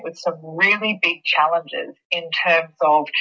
dengan beberapa perjuangan yang sangat besar